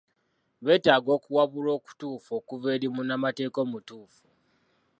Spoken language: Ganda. Betaaga okuwabulwa okutuufu okuva eri munnamateeka omutuufu.